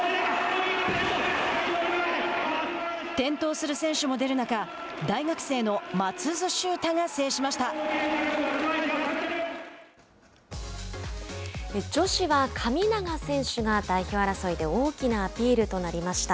転倒する選手も出る中大学生の松津秀太が制しました。